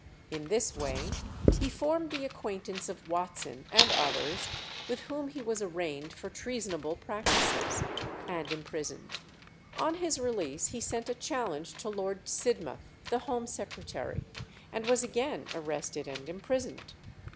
In this way he formed the acquaintance of Watson and others, with whom he was arraigned for treasonable practices, and imprisoned. On his release he sent a challenge to Lord Sidmouth, the Home Secretary, and was again arrested and imprisoned.